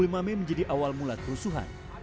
dua puluh lima mei menjadi awal mula kerusuhan